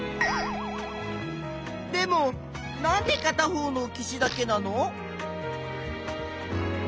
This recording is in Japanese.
でもなんでかた方の岸だけなの？